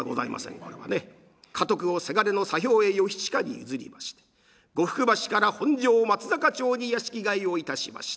家督をせがれの左兵衛義周に譲りまして呉服橋から本所松坂町に屋敷替えをいたしました